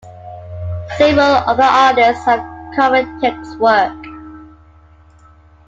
Several other artists have covered Tex's work.